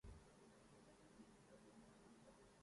آسمان و زمین کا مالک جب اپنے ہاتھ سے صلہ دے گا